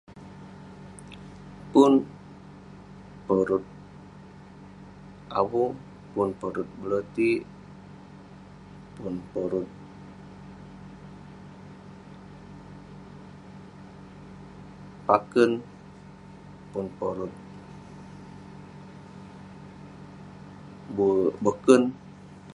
Pun, pun porut avung, pun porut belotik, pun porut pakern- pun porut buerk boken.